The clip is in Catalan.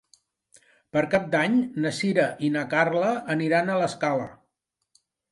Per Cap d'Any na Sira i na Carla aniran a l'Escala.